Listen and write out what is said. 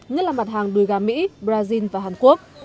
nhất là mặt hàng đùi gà mỹ brazil và hàn quốc